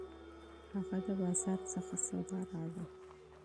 هغه د بازار څخه سودا راوړه